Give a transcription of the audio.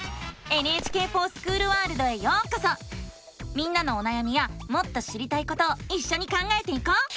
みんなのおなやみやもっと知りたいことをいっしょに考えていこう！